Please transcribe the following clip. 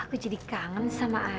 aku jadi kangen sama ayah